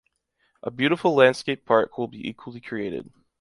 A beautiful landscape park will equally be created.